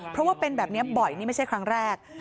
เพราะว่าเป็นแบบนี้บ่อยนี่ไม่ใช่ครั้งแรก